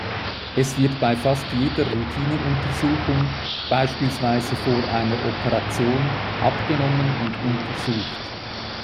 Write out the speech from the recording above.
Es wird bei fast jeder Routineuntersuchung, beispielsweise vor einer Operation, abgenommen und untersucht.